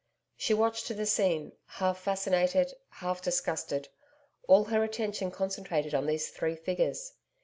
She watched the scene, half fascinated, half disgusted, all her attention concentrated on these three figures.